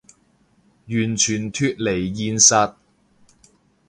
完全脫離現實